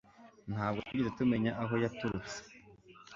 Ntabwo twigeze tumenya aho yaturutse